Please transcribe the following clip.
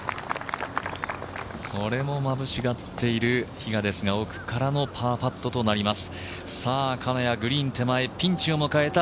これもまぶしがっている比嘉ですが奥からのパーパットとなります。